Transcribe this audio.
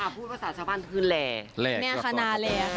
พูดประสาทชาวบ้านคือแรร์